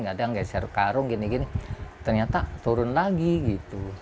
kadang geser karung gini gini ternyata turun lagi gitu